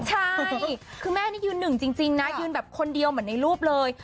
ใช่คือแม่นี่ยืนหนึ่งจริงนะยืนแบบคนเดียวเหมือนในรูปเลย